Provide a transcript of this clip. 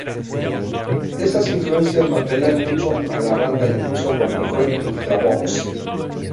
Estas influencias marcarían mucho a la banda incluso cuando fue "Ultravox!